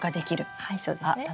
はいそうですね。